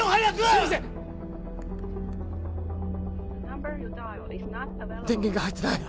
すいません電源が入ってない